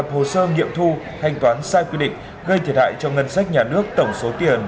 hồ sơ nghiệm thu thanh toán sai quy định gây thiệt hại cho ngân sách nhà nước tổng số tiền